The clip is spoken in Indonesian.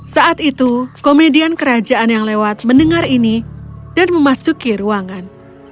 saat itu komedian kerajaan yang lewat mendengar ini dan memasuki ruangan